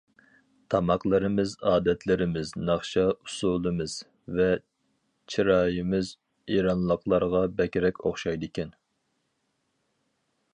تاماقلىرىمىز، ئادەتلىرىمىز، ناخشا ئۇسسۇلىمىز ۋە چىرايىمىز ئىرانلىقلارغا بەكرەك ئوخشايدىكەن.